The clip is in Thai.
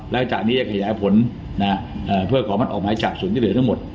แล้วจากนี้จะขยายผลเพื่อขอมัดออกหมายจับส่วนที่เหลือทั้งหมด